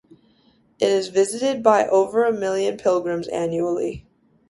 It is visited by over a million pilgrims annually.